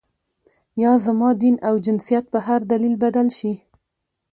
یا زما دین او جنسیت په هر دلیل بدل شي.